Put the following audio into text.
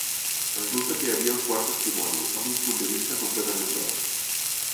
Resulta que hi havia un quart testimoni, amb un punt de vista completament nou.